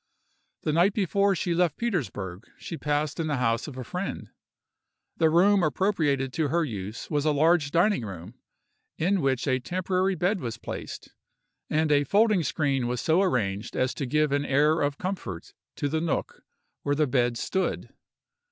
The night before she left Petersburgh she passed in the house of a friend. The room appropriated to her use was a large dining room, in which a temporary bed was placed, and a folding screen was so arranged as to give an air of comfort to the nook where the bed stood.